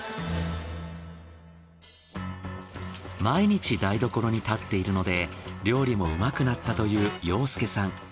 毎日台所に立っているので料理もうまくなったという洋介さん。